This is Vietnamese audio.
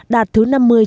đạt thứ năm mươi sáu mươi